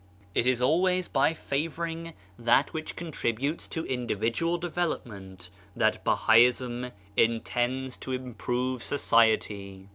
It is always by favour ing that which contributes to individual development that Bahaism intends to improve society.